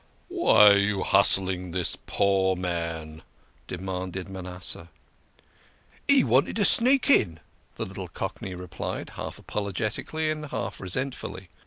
"Why are you hustling this poor man?" demanded Manasseh. "He wanted to sneak in," the little Cockney replied, half apologetically, half resentfully.